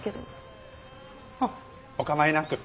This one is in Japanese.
あっお構いなく。